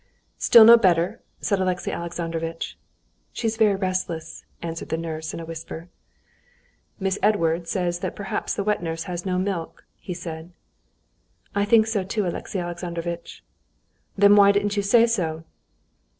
"Still no better?" said Alexey Alexandrovitch. "She's very restless," answered the nurse in a whisper. "Miss Edwarde says that perhaps the wet nurse has no milk," he said. "I think so too, Alexey Alexandrovitch." "Then why didn't you say so?"